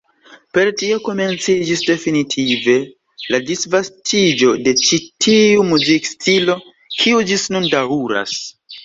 Per tio komenciĝis definitive la disvastiĝo de ĉi tiu muzikstilo, kiu ĝis nun daŭras.